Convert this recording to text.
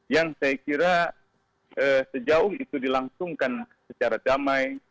yang saya kira sejauh itu dilangsungkan secara damai